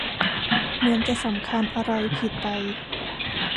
เหมือนจะสำคัญอะไรผิดไป